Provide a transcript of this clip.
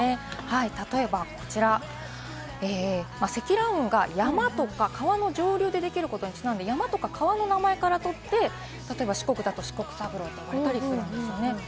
例えばこちら、積乱雲が山とか川の上流でできることにちなんで山とか川の名前からとって、例えば四国だったら、四国三郎と呼ばれたりするんですよね。